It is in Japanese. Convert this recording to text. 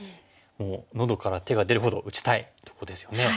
もう喉から手が出るほど打ちたいとこですよね。